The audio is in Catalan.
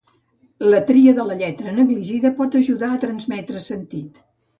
La tria de la lletra negligida pot ajudar a transmetre sentit.